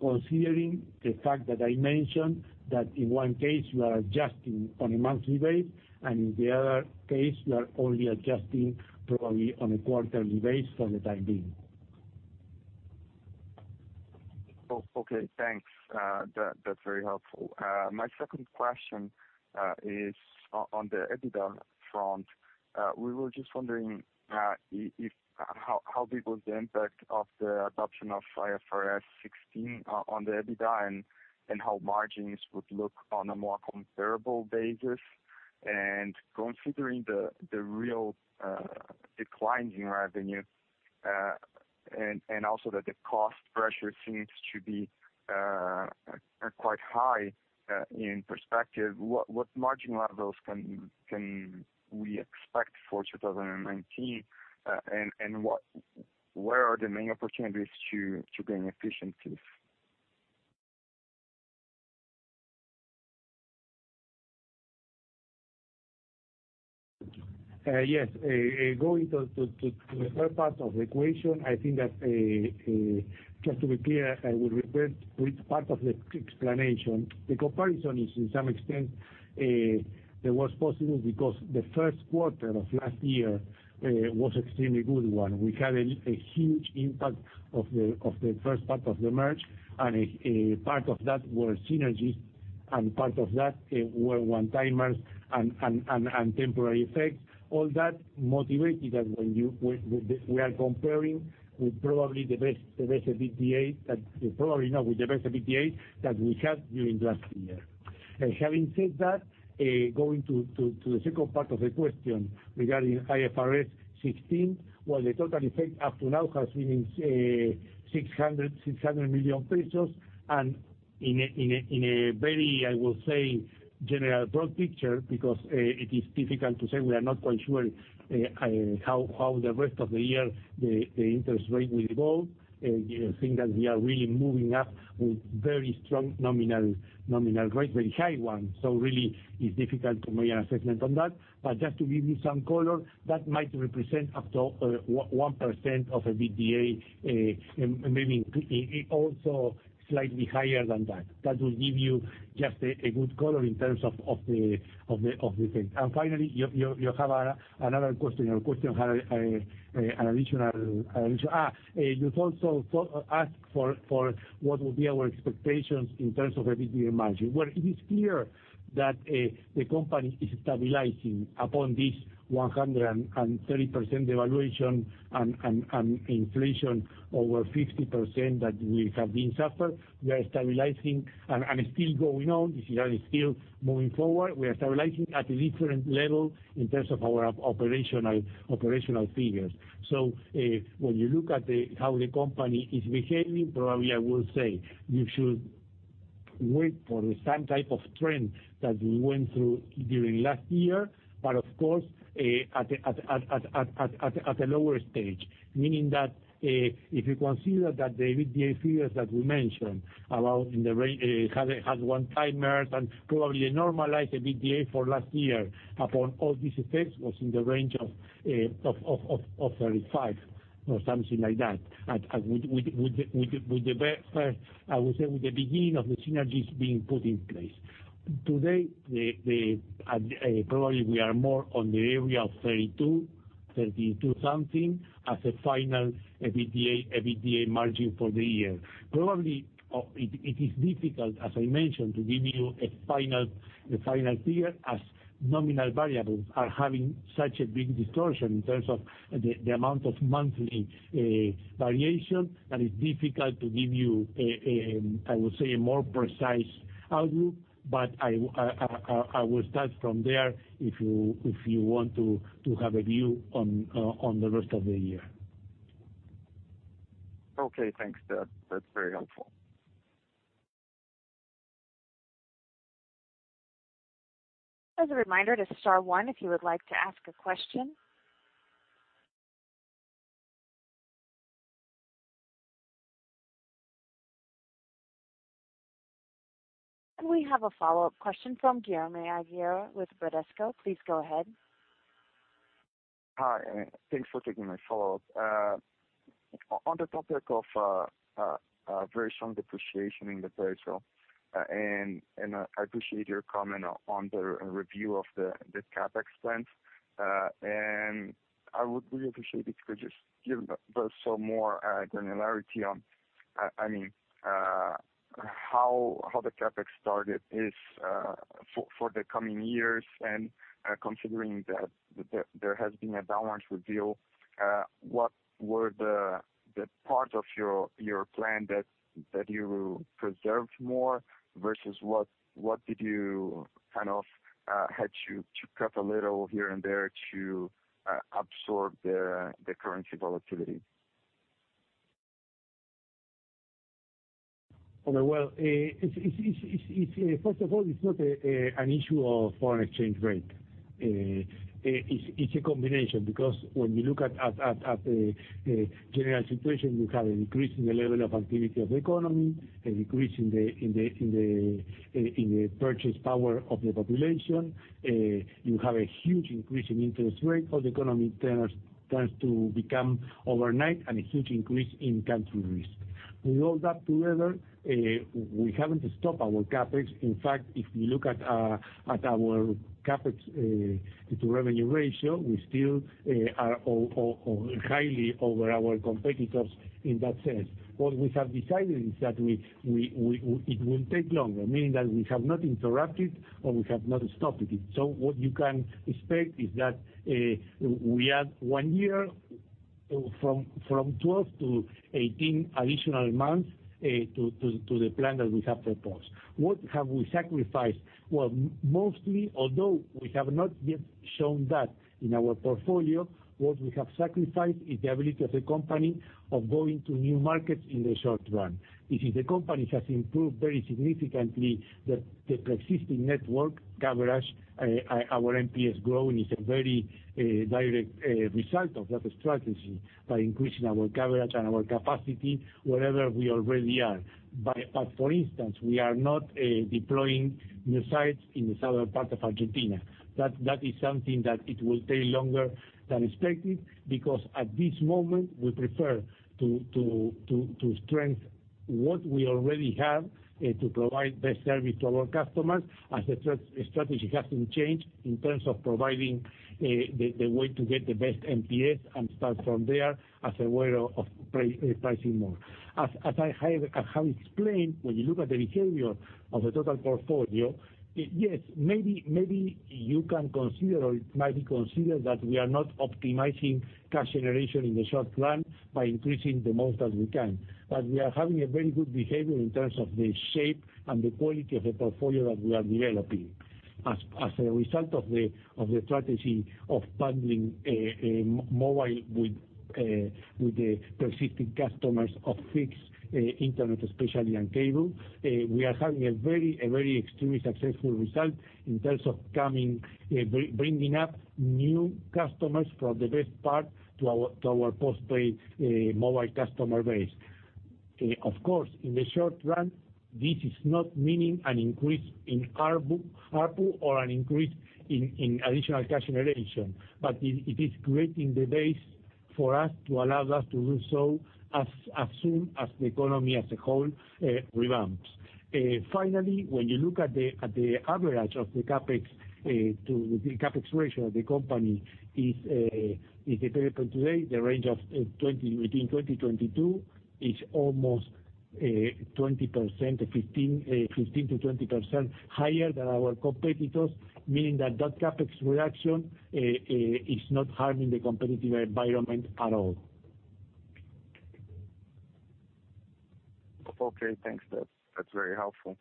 considering the fact that I mentioned that in one case, we are adjusting on a monthly basis, and in the other case, we are only adjusting probably on a quarterly basis for the time being. Okay, thanks. That's very helpful. My second question is on the EBITDA front. We were just wondering how big was the impact of the adoption of IFRS 16 on the EBITDA and how margins would look on a more comparable basis. Considering the real decline in revenue, and also that the cost pressure seems to be quite high in perspective, what margin levels can we expect for 2019, and where are the main opportunities to gain efficiencies? Yes. Going to the third part of the equation, I think that, just to be clear, I will revert to each part of the explanation. The comparison is to some extent that was possible because the first quarter of last year was extremely good one. We had a huge impact of the first part of the merge, and part of that were synergies, and part of that were one-timers and temporary effects. All that motivated us when we are comparing with probably the best EBITDA that we had during last year. Having said that, going to the second part of the question regarding IFRS 16. The total effect up to now has been 600 million pesos, in a very, I would say, general broad picture, because it is difficult to say we are not quite sure how the rest of the year the interest rate will go. I think that we are really moving up with very strong nominal rates, very high ones. Really it's difficult to make an assessment on that. Just to give you some color, that might represent up to 1% of EBITDA, maybe also slightly higher than that. That will give you just a good color in terms of the effect. Finally, you have another question. Your question had you've also asked for what would be our expectations in terms of EBITDA margin. It is clear that the company is stabilizing upon this 130% devaluation and inflation over 50% that we have been suffered. We are stabilizing and still going on. This is still moving forward. We are stabilizing at a different level in terms of our operational figures. When you look at how the company is behaving, probably I would say you should wait for the same type of trend that we went through during last year. Of course, at a lower stage. Meaning that if you consider that the EBITDA figures that we mentioned about in the range, has one-timers and probably normalize the EBITDA for last year upon all these effects was in the range of 35% or something like that. As with the very first, I would say, with the beginning of the synergies being put in place. Today, probably we are more on the area of 32% something as a final EBITDA margin for the year. Probably, it is difficult, as I mentioned, to give you a final figure as nominal variables are having such a big distortion in terms of the amount of monthly variation that is difficult to give you, I would say, a more precise outlook, but I will start from there if you want to have a view on the rest of the year. Okay, thanks. That's very helpful. As a reminder to star one, if you would like to ask a question. We have a follow-up question from Guilherme Aguirre with Bradesco. Please go ahead. Hi, thanks for taking my follow-up. On the topic of very strong depreciation in the peso. I appreciate your comment on the review of the CapEx plans. I would really appreciate if you could just give us some more granularity on how the CapEx target is for the coming years, and considering that there has been a downwards review. What were the parts of your plan that you preserved more, versus what did you have to cut a little here and there to absorb the currency volatility? Well, first of all, it's not an issue of foreign exchange rate. It's a combination, because when we look at the general situation, we have an increase in the level of activity of the economy, a decrease in the purchase power of the population. You have a huge increase in interest rates. All the economy tends to become overnight and a huge increase in country risk. With all that together, we haven't stopped our CapEx. In fact, if we look at our CapEx to revenue ratio, we still are highly over our competitors in that sense. What we have decided is that it will take longer, meaning that we have not interrupted, or we have not stopped it yet. What you can expect is that we add one year from 12-18 additional months to the plan that we have proposed. What have we sacrificed? Well, mostly, although we have not yet shown that in our portfolio, what we have sacrificed is the ability of the company of going to new markets in the short run. If the company has improved very significantly the Personal network coverage, our NPS growth is a very direct result of that strategy by increasing our coverage and our capacity wherever we already are. For instance, we are not deploying new sites in the southern part of Argentina. That is something that it will take longer than expected, because at this moment, we prefer to strengthen what we already have to provide best service to our customers as the strategy has been changed in terms of providing the way to get the best NPS and start from there as a way of pricing more. As I have explained, when you look at the behavior of the total portfolio, yes, maybe you can consider, or it might be considered that we are not optimizing cash generation in the short run by increasing the most as we can. We are having a very good behavior in terms of the shape and the quality of the portfolio that we are developing. As a result of the strategy of bundling mobile with the Personal customers of fixed Internet, especially, and cable. We are having a very extremely successful result in terms of bringing up new customers for the best part to our postpaid mobile customer base. Of course, in the short run, this does not mean an increase in ARPU or an increase in additional cash generation. It is creating the base for us to allow us to do so as soon as the economy as a whole revamps. Finally, when you look at the average of the CapEx ratio of the company is available today, the range of between 2020-2022 is almost 15%-20% higher than our competitors, meaning that that CapEx reduction is not harming the competitive environment at all. Okay, thanks. That's very helpful.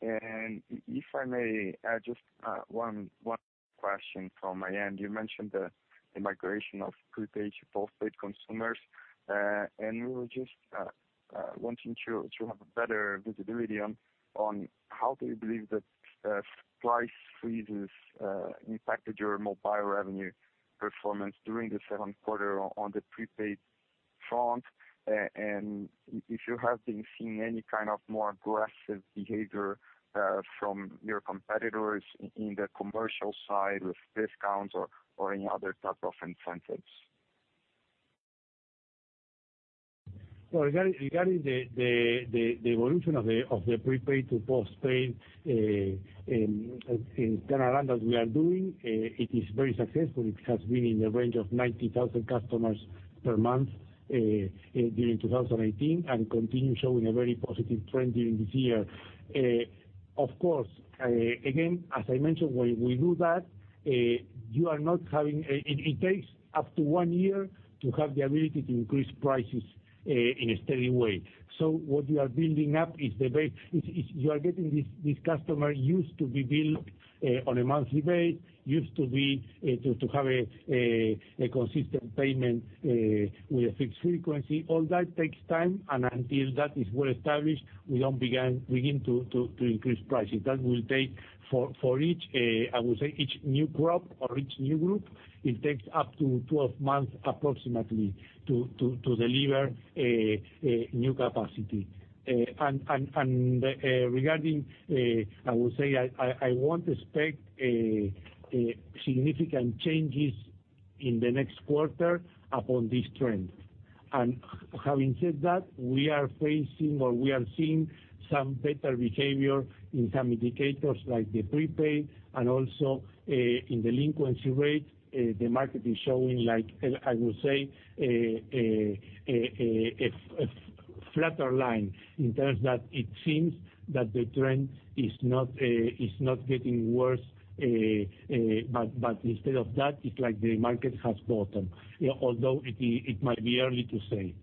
If I may add just one question from my end. You mentioned the migration of prepaid to postpaid consumers. We were just wanting to have better visibility on how do you believe that price freezes impacted your mobile revenue performance during the second quarter on the prepaid front? If you have been seeing any kind of more aggressive behavior from your competitors in the commercial side with discounts or any other type of incentives. Regarding the evolution of the prepaid to postpaid in that we are doing, it is very successful. It has been in the range of 90,000 customers per month during 2018, and continue showing a very positive trend during this year. Of course. Again, as I mentioned, when we do that, it takes up to one year to have the ability to increase prices in a steady way. What you are building up is the base. You are getting this customer used to be billed on a monthly base, used to have a consistent payment with a fixed frequency. All that takes time, and until that is well established, we don't begin to increase pricing. That will take, for each, I would say, each new group, it takes up to 12 months approximately to deliver a new capacity. Regarding, I would say, I won't expect significant changes in the next quarter upon this trend. Having said that, we are facing or we are seeing some better behavior in some indicators like the prepaid and also in delinquency rate. The market is showing, I would say, a flatter line in terms that it seems that the trend is not getting worse. Instead of that, it's like the market has bottomed, although it might be early to say.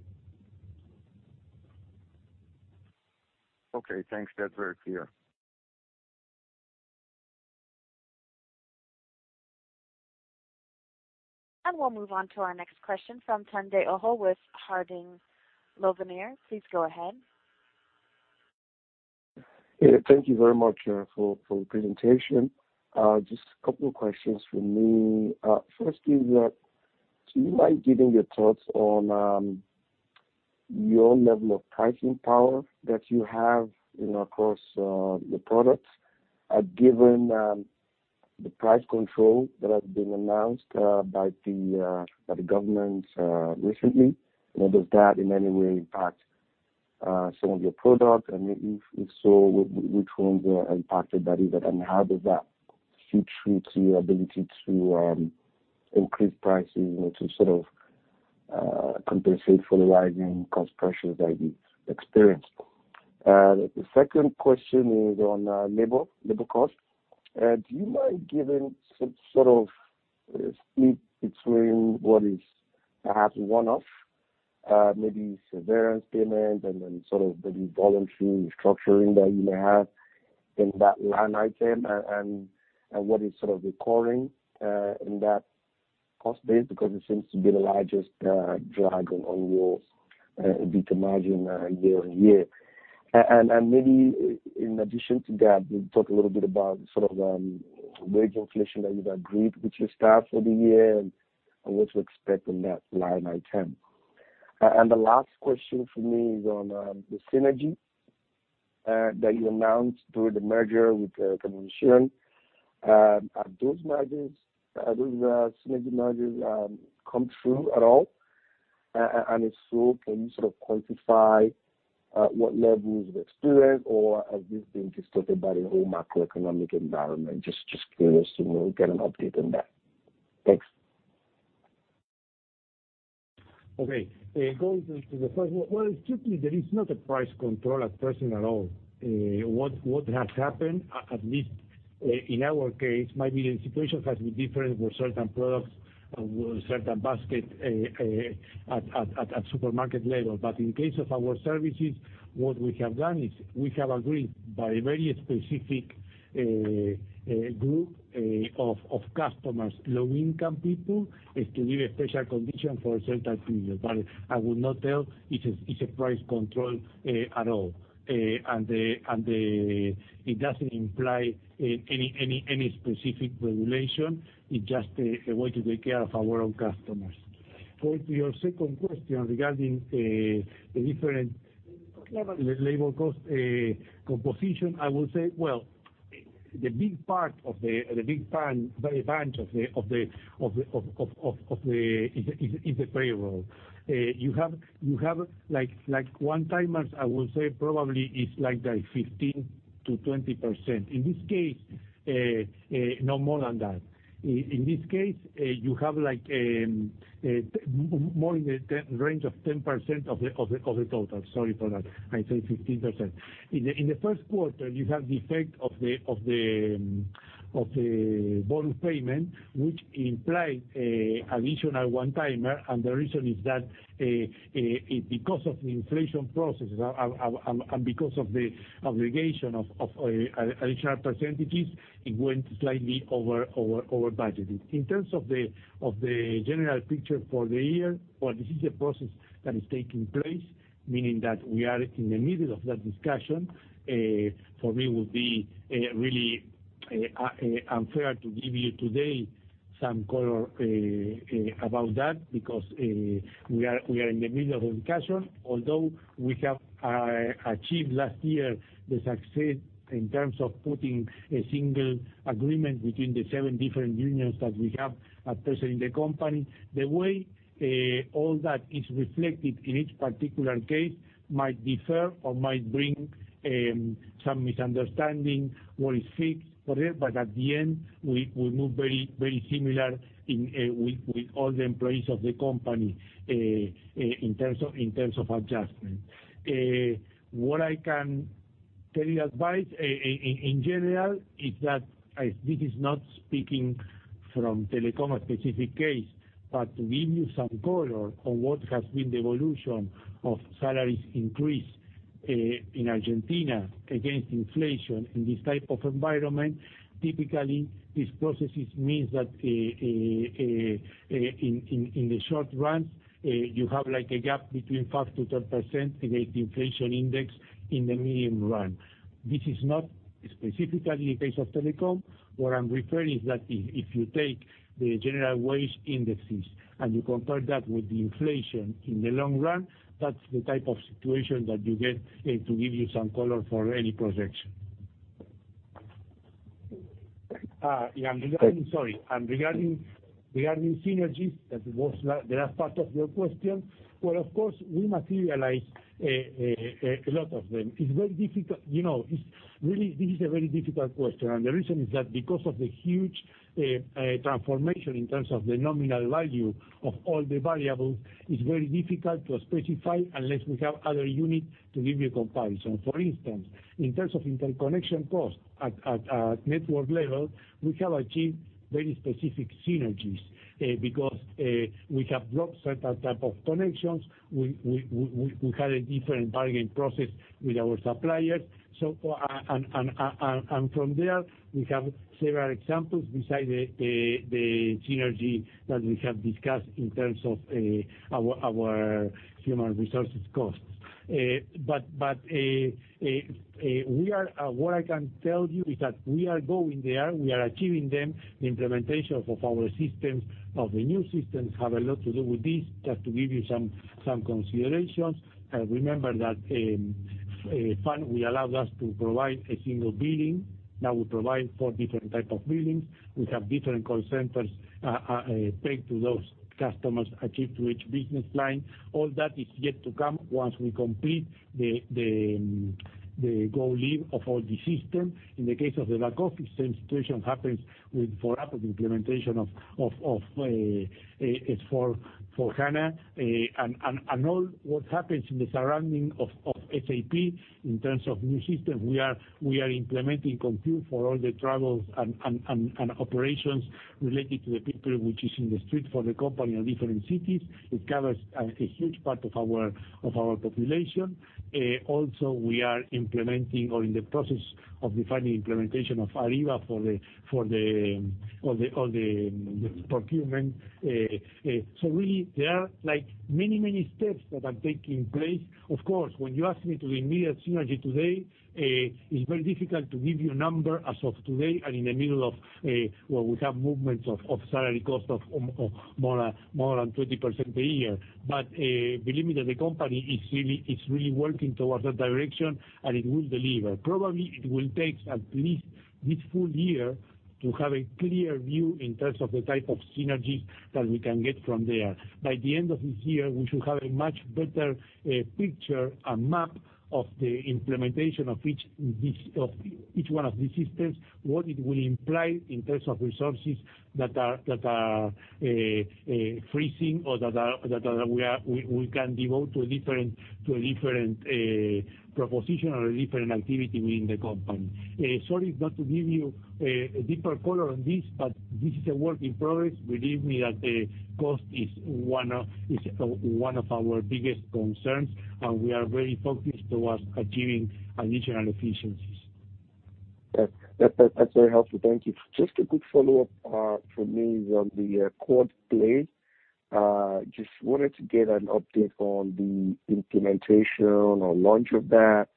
Okay, thanks. That's very clear. We'll move on to our next question from Babatunde Ojo with Harding Loevner. Please go ahead. Thank you very much for the presentation. Just a couple of questions from me. First is that, do you mind giving your thoughts on your level of pricing power that you have across the products? Given the price control that has been announced by the government recently, does that in any way impact some of your products? If so, which ones are impacted by that, and how does that feature into your ability to increase pricing to compensate for the rising cost pressures that you've experienced? The second question is on labor cost. Do you mind giving some sort of split between what is perhaps a one-off, maybe severance payment and then maybe voluntary restructuring that you may have in that line item, and what is sort of recurring in that cost base? Because it seems to be the largest driver on your EBITDA margin year-over-year. Maybe in addition to that, you talk a little bit about wage inflation that you've agreed with your staff for the year and what to expect on that line item. The last question from me is on the synergy that you announced through the merger with Telecom Argentina. Have those synergy margins come through at all? If so, can you quantify what levels you experienced, or has this been distorted by the whole macroeconomic environment? Just curious to get an update on that. Thanks. Going to the first one. Strictly, there is not a price control at present at all. What has happened, at least in our case, maybe the situation has been different for certain products or certain basket at supermarket level. In case of our services, what we have done is we have agreed by a very specific group of customers, low-income people, is to give a special condition for a certain period. I would not tell it's a price control at all. It doesn't imply any specific regulation. It's just a way to take care of our own customers. Going to your second question regarding the different labor cost composition, I would say, the big part or the big bunch is the payroll. You have one-timers, I would say probably it's 15%-20%, no more than that. In this case, you have more in the range of 10% of the total. Sorry for that. I said 15%. In the first quarter, you have the effect of the bonus payment, which implied additional one-timer. The reason is that because of the inflation processes and because of the aggregation of additional percentages, it went slightly over budget. In terms of the general picture for the year or this is a process that is taking place, meaning that we are in the middle of that discussion, for me, it would be really unfair to give you today some color about that because we are in the middle of a discussion. Although we have achieved last year the success in terms of putting a single agreement between the seven different unions that we have at present in the company. The way all that is reflected in each particular case might differ or might bring some misunderstanding what is fixed. At the end, we move very similar with all the employees of the company in terms of adjustment. What I can tell you advice in general is that this is not speaking from Telecom a specific case, but to give you some color on what has been the evolution of salaries increase in Argentina against inflation in this type of environment. Typically, these processes means that in the short run, you have a gap between 5%-10% against inflation index in the medium run. This is not specifically the case of Telecom. What I'm referring is that if you take the general wage indexes and you compare that with the inflation in the long run, that's the type of situation that you get to give you some color for any projection. Regarding synergies, that was the last part of your question. Well, of course, we materialize a lot of them. This is a very difficult question. The reason is that because of the huge transformation in terms of the nominal value of all the variables, it's very difficult to specify unless we have other unit to give you a comparison. For instance, in terms of interconnection cost at network level, we have achieved very specific synergies, because we have blocked certain type of connections. We had a different bargain process with our suppliers. From there, we have several examples beside the synergy that we have discussed in terms of our human resources costs. What I can tell you is that we are going there, we are achieving them. The implementation of our systems, of the new systems have a lot to do with this, just to give you some considerations. Remember that FUN will allow us to provide a single billing. Now we provide 4 different type of billings. We have different call centers take to those customers, achieve to each business line. All that is yet to come once we complete the go-live of all the system. In the case of the back-office, same situation happens with for 4UP, the implementation of S/4HANA. All what happens in the surrounding of SAP in terms of new systems, we are implementing Concur for all the travels and operations related to the people which is in the street for the company on different cities. It covers a huge part of our population. Also, we are implementing or in the process of defining implementation of Ariba for the procurement. Really there are many steps that are taking place. Of course, when you ask me to give me a synergy today, it's very difficult to give you a number as of today and in the middle of where we have movements of salary cost of more than 20% a year. Believe me that the company is really working towards that direction, and it will deliver. Probably it will take at least this full year to have a clear view in terms of the type of synergies that we can get from there. By the end of this year, we should have a much better picture, a map of the implementation of each one of the systems, what it will imply in terms of resources that are freezing or that we can devote to a different proposition or a different activity within the company. Sorry, not to give you a deeper color on this. This is a work in progress. Believe me that cost is one of our biggest concerns. We are very focused towards achieving additional efficiencies. That's very helpful. Thank you. Just a quick follow-up from me is on the Quad Play. Just wanted to get an update on the implementation or launch of that.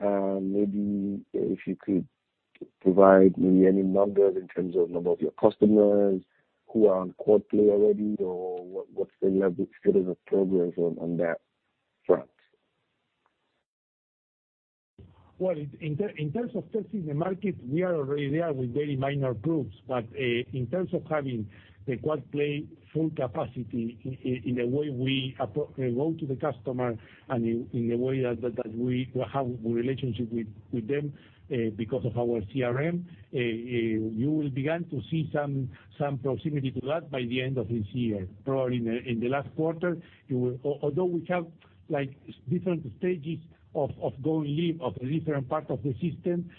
Maybe if you could provide me any numbers in terms of number of your customers who are on Quad Play already, or what's the level, status of progress on that front? Well, in terms of testing the market, we are already there with very minor groups. In terms of having the Quad Play full capacity in the way we go to the customer and in the way that we have a relationship with them because of our CRM, you will begin to see some proximity to that by the end of this year. Probably in the last quarter. Although we have different stages of go-live of the different part of the system,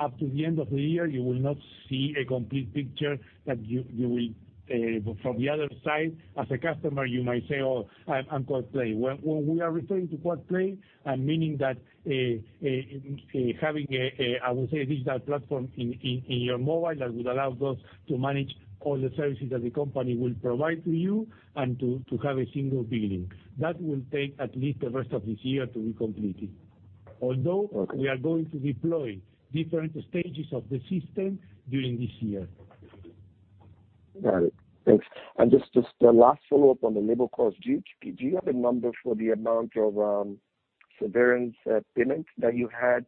up to the end of the year, you will not see a complete picture that you will from the other side, as a customer, you might say, "Oh, I'm Quad Play." When we are referring to Quad Play, I'm meaning that having a, I would say, digital platform in your mobile that would allow us to manage all the services that the company will provide to you and to have a single billing. That will take at least the rest of this year to be completed. Although we are going to deploy different stages of the system during this year. Got it. Thanks. Just the last follow-up on the labor cost. Do you have a number for the amount of severance payment that you had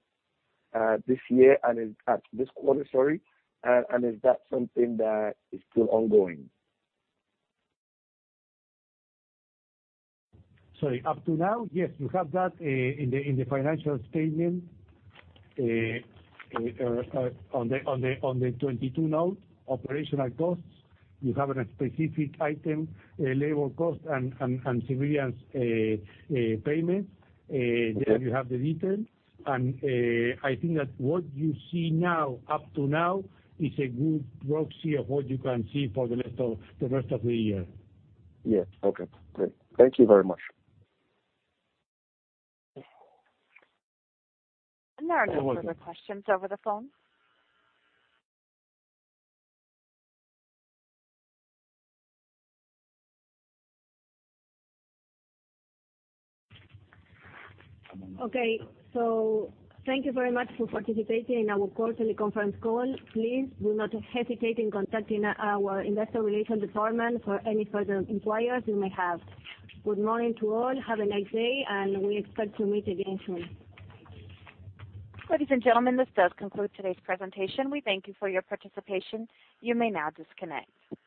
this year and this quarter, sorry, and is that something that is still ongoing? Sorry. Up to now? Yes, you have that in the financial statement on the 22 note, operational costs. You have a specific item, labor cost and severance payments. There you have the details. I think that what you see now, up to now, is a good proxy of what you can see for the rest of the year. Yeah. Okay. Great. Thank you very much. Are there further questions over the phone? Okay, thank you very much for participating in our quarterly conference call. Please do not hesitate in contacting our Investor Relations department for any further inquiries you may have. Good morning to all. Have a nice day, we expect to meet again soon. Ladies and gentlemen, this does conclude today's presentation. We thank you for your participation. You may now disconnect.